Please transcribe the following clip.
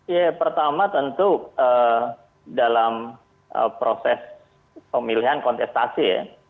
ya pertama tentu dalam proses pemilihan kontestasi ya